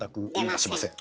出ません。